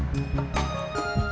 gak usah banyak ngomong